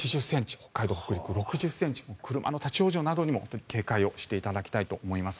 北海道、北陸６０ｃｍ車の立ち往生などにも警戒をしていただきたいと思います。